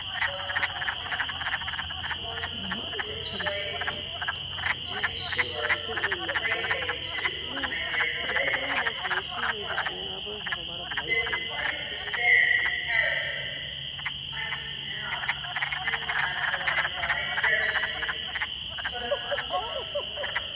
"Once only?" "Once or twice " "To be sure. Lately, too, I daresay?" "Yes " "Then you quite understand his character?" "I do now," Mrs. Hannaford replied wretchedly. "But I must tell you more.